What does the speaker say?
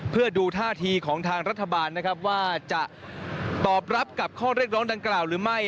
เพื่อดูท่าทีของทางรัฐบาลนะครับว่าจะตอบรับกับข้อเรียกร้องดังกล่าวหรือไม่